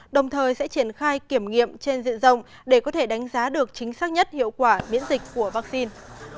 đồng thời sẽ triển khai kiểm nghiệm trên diện rộng để có thể đánh giá được chính xác nhất hiệu quả miễn dịch của vaccine